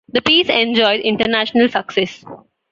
The piece enjoyed international success.